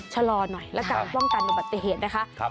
ชะลอหน่อยแล้วกับว่างการอุบัติเหตุนะคะ